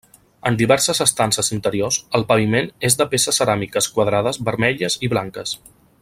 En diverses estances interiors el paviment és de peces ceràmiques quadrades vermelles i blanques.